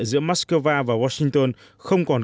giữa moscow và washington không còn